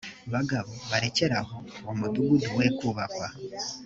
bagabo barekere aho uwo mudugudu we kubakwa